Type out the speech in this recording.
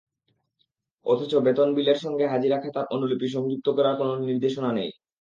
অথচ বেতন বিলের সঙ্গে হাজিরা খাতার অনুলিপি সংযুক্ত করার কোনো নির্দেশনা নেই।